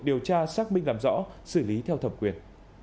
điều tra xác minh làm rõ xử lý theo thẩm quyền